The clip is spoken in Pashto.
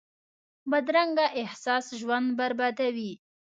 بدرنګه احساس ژوند بربادوي